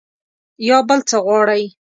بل څه غواړئ؟